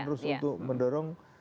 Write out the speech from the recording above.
terus untuk mendorong